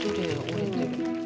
折れてる。